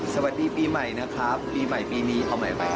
สวัสดีปีใหม่นะครับปีใหม่ปีนี้เอาใหม่